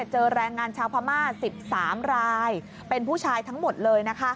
เจอแรงงานชาวพม่า๑๓รายเป็นผู้ชายทั้งหมดเลย